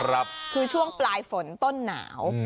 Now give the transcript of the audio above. คือช่วงปลายฝนต้นหนาว